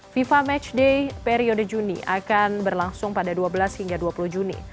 fifa matchday periode juni akan berlangsung pada dua belas hingga dua puluh juni